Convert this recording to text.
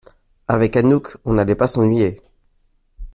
Avec Anouk, on n’allait pas s’ennuyer!